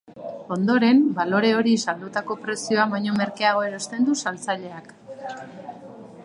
Ondoren, balore hori saldutako prezioan baino merkeago erosten du saltzaileak.